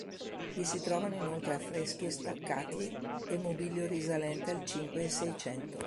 Vi si trovano inoltre affreschi staccati e mobilio risalente al Cinque e Seicento.